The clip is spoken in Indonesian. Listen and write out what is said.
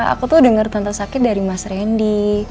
aku tuh denger tante sakit dari mas rendy